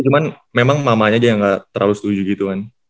cuman memang mamanya aja yang nggak terlalu setuju gitu kan